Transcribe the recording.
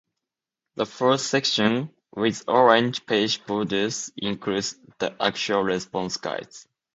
The fourth section, with orange page borders, includes the actual response guides.